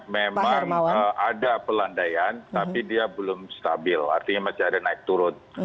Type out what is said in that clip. memang ada pelandaian tapi dia belum stabil artinya masih ada naik turun